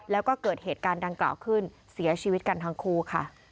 แล้วก็เกิดเหตุการณ์ดังกล่าวขึ้นเสียชีวิตกันทั้งคู่ค่ะ